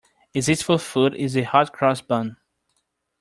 A zestful food is the hot-cross bun.